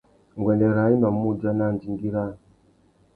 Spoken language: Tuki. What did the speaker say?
Nguêndê râā i mà mù udjana andingui râā.